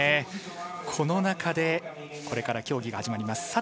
この中で、これから競技が始まります。